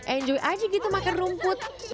enjoy enji gitu makan rumput